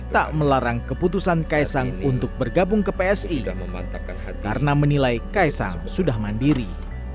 tak melarang keputusan kaisang untuk bergabung ke psi karena menilai kaisang sudah mandiri